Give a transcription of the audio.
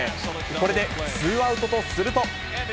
これでツーアウトとすると。